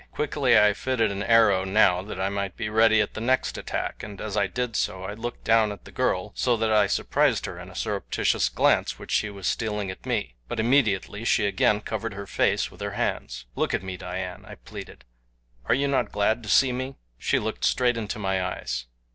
Quickly I fitted an arrow now that I might be ready at the next attack, and as I did so I looked down at the girl, so that I surprised her in a surreptitious glance which she was stealing at me; but immediately, she again covered her face with her hands. "Look at me, Dian," I pleaded. "Are you not glad to see me?" She looked straight into my eyes.